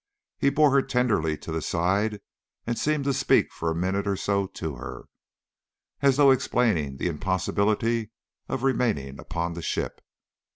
He bore her tenderly to the side and seemed to speak for a minute or so to her, as though explaining the impossibility of remaining upon the ship.